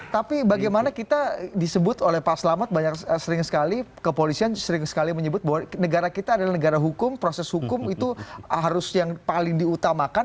tapi bagaimana kita disebut oleh pak selamat banyak sering sekali kepolisian sering sekali menyebut bahwa negara kita adalah negara hukum proses hukum itu harus yang paling diutamakan